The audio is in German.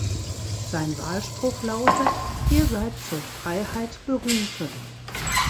Sein Wahlspruch lautet: "Ihr seid zur Freiheit berufen.